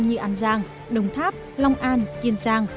như an giang đồng tháp long an kiên giang